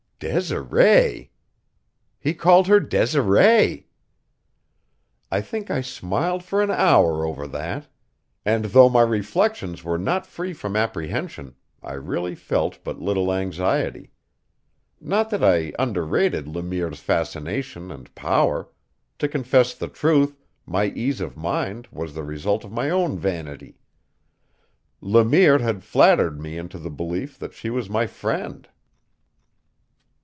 "Desiree!" He called her Desiree! I think I smiled for an hour over that; and, though my reflections were not free from apprehension, I really felt but little anxiety. Not that I underrated Le Mire's fascination and power; to confess the truth, my ease of mind was the result of my own vanity. Le Mire had flattered me into the belief that she was my friend.